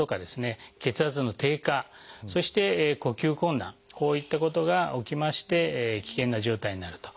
血圧の低下そして呼吸困難こういったことが起きまして危険な状態になると。